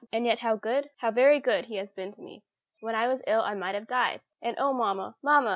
And yet how good, how very good, He has been to me! When I was ill, I might have died. And oh, mamma! mamma!